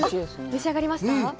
召し上がりました？